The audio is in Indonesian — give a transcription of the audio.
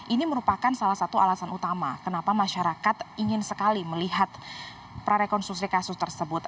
ini merupakan salah satu alasan utama kenapa masyarakat ingin sekali melihat prarekonstruksi kasus tersebut